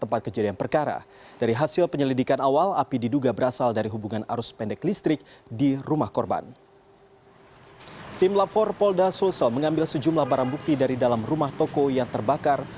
mas sulsel mengambil sejumlah barang bukti dari dalam rumah toko yang terbakar